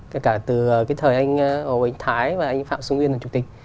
kể cả từ cái thời anh thái và anh phạm xuân nguyên là chủ tịch